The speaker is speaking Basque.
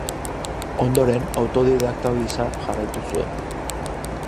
Ondoren autodidakta gisa jarraitu zuen.